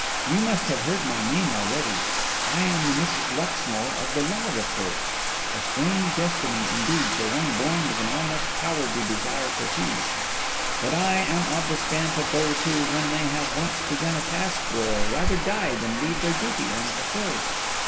You must have heard my name already; I am the Mrs. Luxmore of the Law Reports: a strange destiny, indeed, for one born with an almost cowardly desire for peace! But I am of the stamp of those who, when they have once begun a task, will rather die than leave their duty unfulfilled.